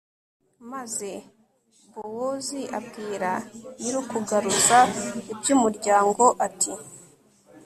maze bowozi abwira nyir'ukugaruza iby'umuryango, ati